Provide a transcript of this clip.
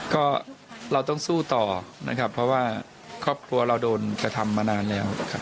ก็เราต้องสู้ต่อนะครับเพราะว่าครอบครัวเราโดนกระทำมานานแล้วครับ